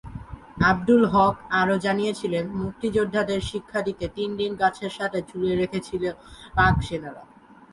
আব্দুল হক আরো জানিয়েছিলেন, মুক্তিযোদ্ধাদের শিক্ষা দিতে তিনদিন গাছের সাথে ঝুলিয়ে রেখেছিল পাক সেনারা।